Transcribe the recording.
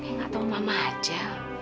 nggak tau mama aja